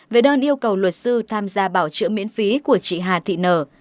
về đơn yêu cầu luật sư tham gia bảo chữa miễn phí của chị hà thị nở